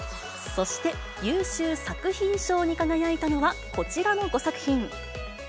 そして、優秀作品賞に輝いたのは、こちらの５作品。